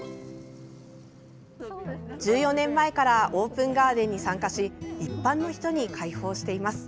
１４年前からオープンガーデンに参加し一般の人に開放しています。